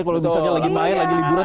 kalau misalnya lagi main lagi liburan